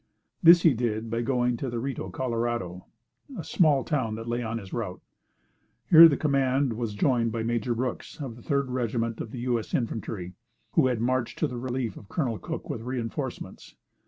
This he did by going to the Rito Colorado, a small town that lay on his route. Here the command was joined by Major Brooks of the 3d Regiment of U.S. Infantry, who had marched to the relief of Col. Cook with reinforcements.